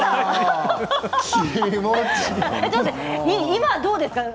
今どうですか？